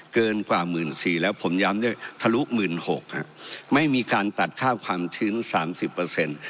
เกินกว่าหมื่นสี่แล้วผมย้ำด้วยทะลุหมื่นหกฮะไม่มีการตัดค่าความชื้นสามสิบเปอร์เซ็นต์